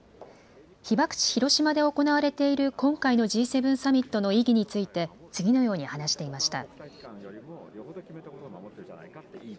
被爆地、広島で行われている今回のＧ７サミットの意義について、次のように話していました。